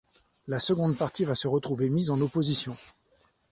La seconde partie va se retrouver mise en opposition.